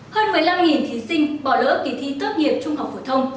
hơn một mươi năm thí sinh bỏ lỡ kỳ thi tốt nghiệp trung học phổ thông